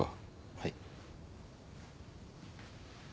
はい。